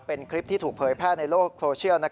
เป็นคลิปที่ถูกเผยแพร่ในโลกโซเชียล